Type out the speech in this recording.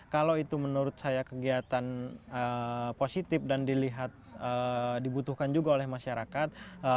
kalau itu menurut saya kegiatan positif dan dilihat dibutuhkan juga oleh masyarakat